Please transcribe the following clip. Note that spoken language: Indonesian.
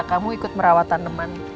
kamu ikut merawat tanaman